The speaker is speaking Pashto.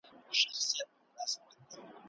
ښوونکی ماشومانو ته د ریاضیاتو درس ورکوي.